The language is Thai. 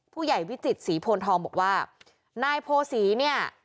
ผู้ใหญ่วิจิตศรีโพนทองบอกว่านายโพศีเนี่ย